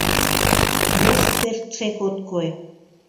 — Мо шукертсек от кой?